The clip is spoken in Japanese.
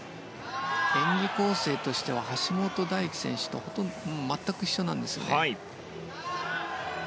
演技構成としては橋本大輝選手と全く一緒なんです。